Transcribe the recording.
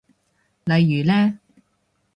例如呢？